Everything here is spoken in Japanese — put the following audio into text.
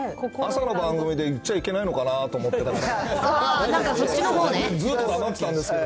朝の番組で言っちゃいけないのかなって思ってたから。